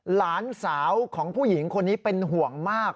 หลานสาวของผู้หญิงคนนี้เป็นห่วงมาก